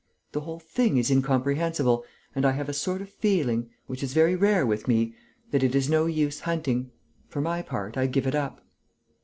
The whole thing is incomprehensible and I have a sort of feeling which is very rare with me that it is no use hunting. For my part, I give it up."